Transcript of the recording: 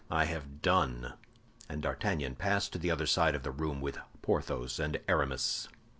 I have done." And D'Artagnan passed to the other side of the room with Porthos and Aramis.